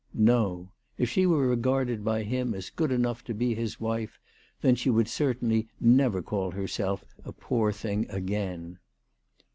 ~No. If she were regarded by him as good enough to be his wife then she would certainly never call herself a poor thing again.